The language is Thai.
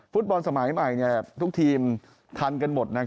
ฟุตบอลสมัยใหม่ทุกทีมทันกันหมด